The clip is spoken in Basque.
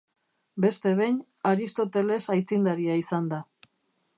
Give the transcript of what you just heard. Beste behin, Aristoteles aitzindaria izan da.